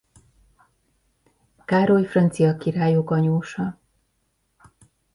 Károly francia királyok anyósa.